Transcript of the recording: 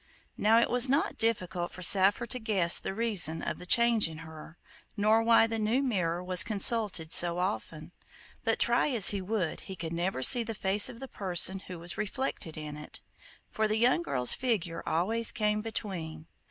Now it was not difficult for Saphir to guess the reason of the change in her, nor why the new mirror was consulted so often; but try as he would he could never see the face of the person who was reflected in it, for the young girl's figure always came between.